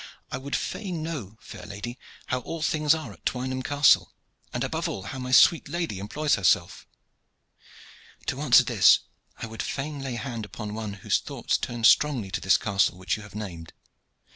I would fain know, fair lady, how all things are at Twynham Castle, and above all how my sweet lady employs herself." "To answer this I would fain lay hand upon one whose thoughts turn strongly to this castle which you have named.